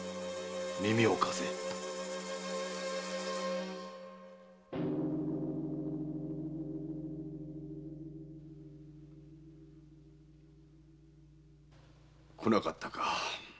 耳を貸せ。来なかったか。